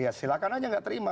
ya silahkan aja nggak terima